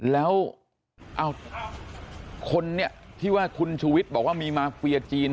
แล้วเอาคนเนี่ยที่ว่าคุณชุวิตบอกว่ามีมาฟเวียจีน